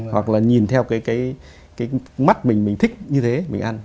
hoặc là nhìn theo cái mắt mình mình thích như thế mình ăn